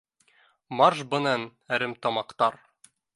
Марш бынан әремтамаҡтар!